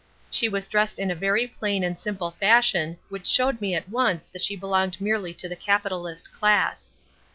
She was dressed in a very plain and simple fashion which showed me at once that she belonged merely to the capitalist class.